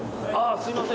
すいません